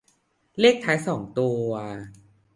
เลขท้ายสองตัว